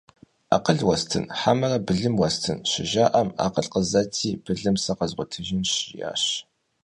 «Акъыл уэстын, хьэмэрэ былым уэстын?» - щыжаӀэм, «Акъыл къызэти, былым сэ къэзгъуэтыжынщ», - жиӀащ.